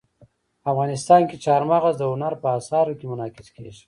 افغانستان کې چار مغز د هنر په اثار کې منعکس کېږي.